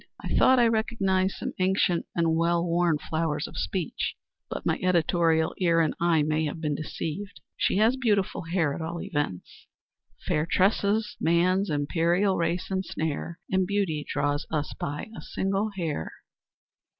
I thought I recognized some ancient and well worn flowers of speech, but my editorial ear and eye may have been deceived. She has beautiful hair at all events." "'Fair tresses man's imperial race ensnare; And beauty draws us by a single hair.'